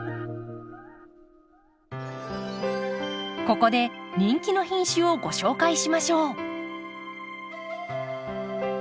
ここで人気の品種をご紹介しましょう。